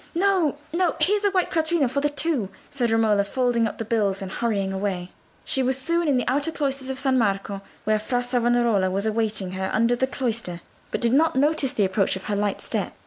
"No, no: here's a white quattrino for the two," said Romola, folding up the bills and hurrying away. She was soon in the outer cloisters of San Marco, where Fra Salvestro was awaiting her under the cloister, but did not notice the approach of her light step.